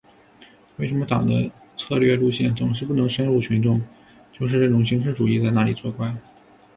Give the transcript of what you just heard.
为什么党的策略路线总是不能深入群众，就是这种形式主义在那里作怪。